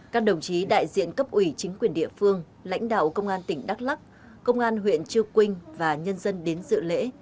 các đồng chí đại diện cấp ủy chính quyền địa phương lãnh đạo công an tỉnh đắk lắc công an huyện chư quynh và nhân dân đến dự lễ